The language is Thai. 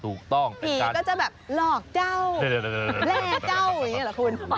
ผีก็จะแบบหลอกจ้าวแร่จ้าวอย่างนี้เหรอคุณ